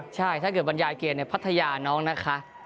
ใช่ถ้าเกิดบรรยายเกมในพัทยาน้องนะคะ